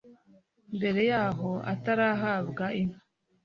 Mbere yaho atarahabwa inka